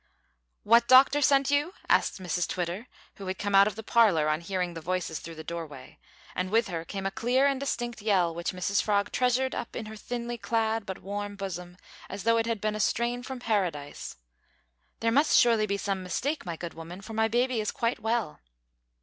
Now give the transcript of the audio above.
"What doctor sent you?" asked Mrs Twitter, who had come out of the parlour on hearing the voices through the doorway, and with her came a clear and distinct yell which Mrs Frog treasured up in her thinly clad but warm bosom, as though it had been a strain from Paradise. "There must surely be some mistake, my good woman, for my baby is quite well."